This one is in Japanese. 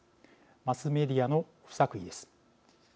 マスメディアの不作為です。